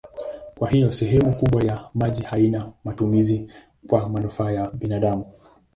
Kwa hiyo sehemu kubwa ya maji haina matumizi kwa manufaa ya binadamu.